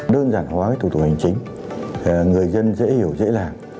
đơn giản hóa thủ tục hành chính người dân dễ hiểu dễ làm